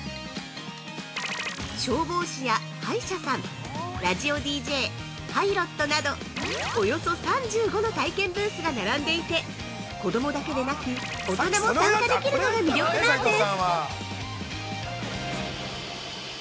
消防士や歯医者さん、ラジオＤＪ、パイロットなど、およそ３５の体験ブースが並んでいて子供だけでなく、大人も参加できるのが魅力なんです。